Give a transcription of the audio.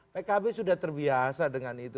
pkb sudah terbiasa dengan itu